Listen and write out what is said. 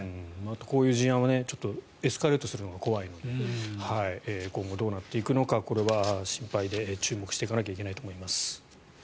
こういう事案はエスカレートするのが怖いなと思うので今後、どうなっていくのかこれは心配で注目していかないといけないと思います。